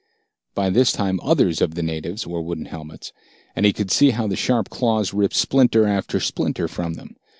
By this time, others of the natives wore wooden helmets, and he could see how the sharp claws ripped splinter after splinter from them.